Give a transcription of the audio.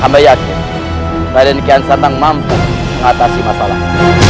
kami yakin pada nekian santang mampu mengatasi masalah